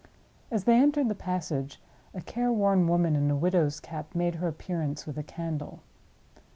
As they entered the passage, a care worn woman in a widow's cap made her appearance with a candle.